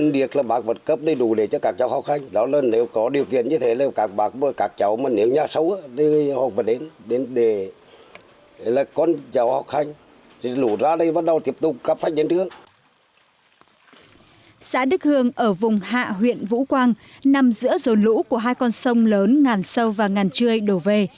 xã đức hương ở vùng hạ huyện vũ quang nằm giữa dồn lũ của hai con sông lớn ngàn sâu và ngàn chươi đổ về